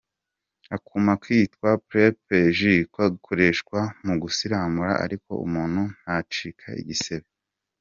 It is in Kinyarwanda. Akuma kitwa Pre Pegisi gakoreshwa mu gusiramura ariko umuntu ntacike igisebe.